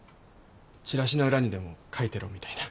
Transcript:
チラシの裏にでも書いてろみたいな。